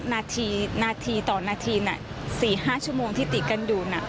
นาทีต่อนาที๔๕ชั่วโมงที่ติดกันอยู่